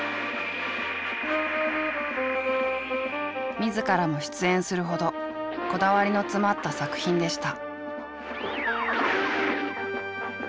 自らも出演するほどこだわりの詰まった作品でした。